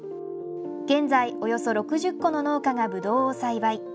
現在、およそ６０戸の農家がぶどうを栽培。